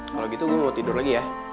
kalau gitu gue mau tidur lagi ya